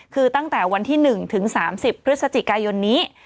คือตั้งแต่วันที่๑ถึง๓๐พฤศจิกายนนี้